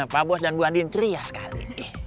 pak bos dan buandien ceria sekali